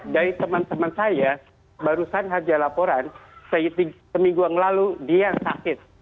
dari teman teman saya barusan hadiah laporan seminggu yang lalu dia sakit